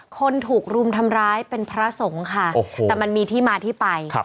คนถูกรุมทำร้ายเป็นพระสงฆ์ค่ะแต่มันมีที่มาที่ไป